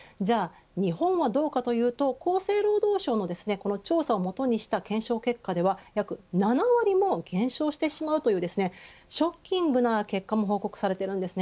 日本はどうかというと厚生労働省の調査を基にした検証結果では約７割も減少してしまうというショッキングな結果も報告されているんです。